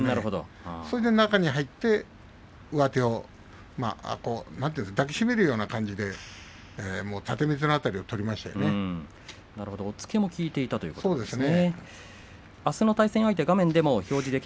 そして中に入って上手を抱き締めるような感じで押っつけも効いていたんですね。